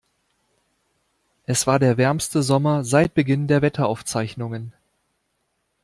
Es war der wärmste Sommer seit Beginn der Wetteraufzeichnungen.